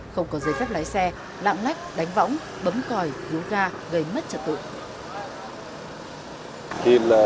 không có giấy phép lái xe lạm lách đánh võng bấm còi rú ga gây mất trật tội